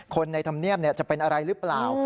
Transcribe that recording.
ในธรรมเนียบจะเป็นอะไรหรือเปล่า